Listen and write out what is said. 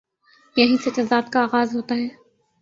یہیں سے تضاد کا آ غاز ہو تا ہے۔